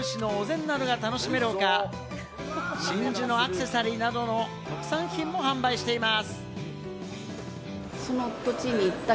寿しや、あぶった松坂牛のお膳などが楽しめる他、真珠のアクセサリーなどの特産品も販売しています。